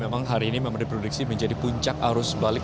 memang hari ini memang diprediksi menjadi puncak arus balik